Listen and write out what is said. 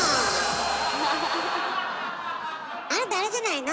あなたあれじゃないの？